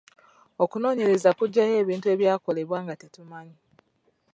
Okunoonyereza kuggyayo ebintu ebyakolebwa nga tetumanyi.